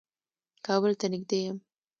کابل ته نېږدې يم.